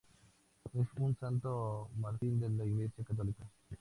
Es un santo mártir de la Iglesia católica.